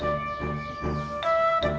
kamu mau ke rumah